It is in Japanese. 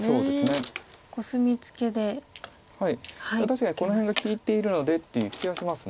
確かにこの辺が利いているのでっていう気はします。